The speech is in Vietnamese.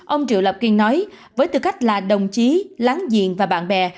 ông triệu lập kiên nói với tư cách là đồng chí láng diện và bạn bè